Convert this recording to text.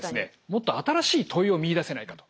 もっと新しい問いを見いだせないかと。